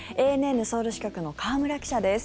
ＡＮＮソウル支局の河村記者です。